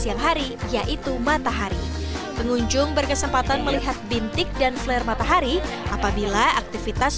siang hari yaitu matahari pengunjung berkesempatan melihat bintik dan flare matahari apabila aktivitas